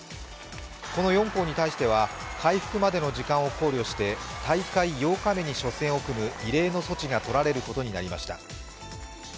この４校に対しては回復までの時間を考慮して大会８日目に初戦を組む異例の措置が執られることとなりました。